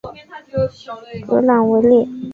格朗维列。